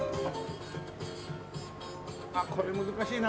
あっこれ難しいな。